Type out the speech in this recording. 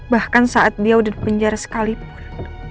bahkan saat dia udah di penjara sekalipun